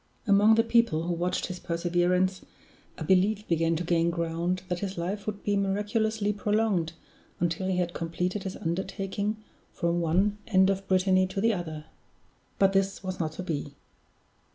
Among the people who watched his perseverance, a belief began to gain ground that his life would be miraculously prolonged until he had completed his undertaking from one end of Brittany to the other. But this was not to be.